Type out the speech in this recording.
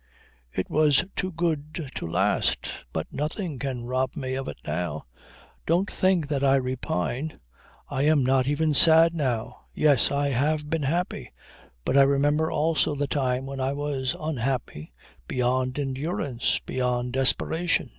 "It was too good to last. But nothing can rob me of it now ... Don't think that I repine. I am not even sad now. Yes, I have been happy. But I remember also the time when I was unhappy beyond endurance, beyond desperation.